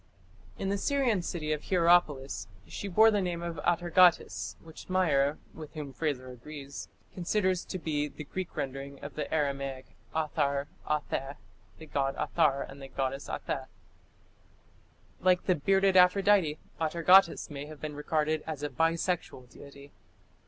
In the Syrian city of Hierapolis she bore the name of Atargatis, which Meyer, with whom Frazer agrees, considers to be the Greek rendering of the Aramaic 'Athar 'Atheh the god 'Athar and the goddess 'Atheh. Like the "bearded Aphrodite", Atargatis may have been regarded as a bisexual deity.